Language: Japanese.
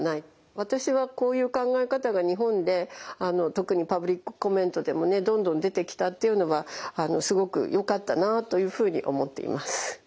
私はこういう考え方が日本で特にパブリックコメントでもねどんどん出てきたっていうのはすごくよかったなというふうに思っています。